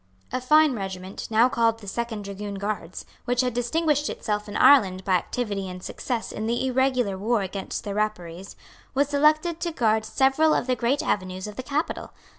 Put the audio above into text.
A fine regiment, now called the Second Dragoon Guards, which had distinguished itself in Ireland by activity and success in the irregular war against the Rapparees, was selected to guard several of the great avenues of the capital.